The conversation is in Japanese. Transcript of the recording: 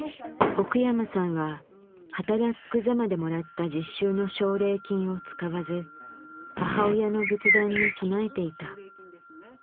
奥山さんははたらっく・ざまでもらった実習の奨励金を使わず母親の仏壇に供えていた。